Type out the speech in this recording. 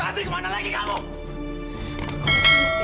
ratih kemana lagi kamu